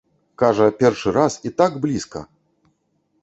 Кажа, першы раз і так блізка!